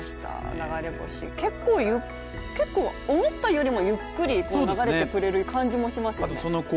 流れ星結構、思ったよりもゆっくり流れてくれる感じもしますよね。